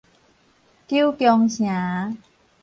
九芎城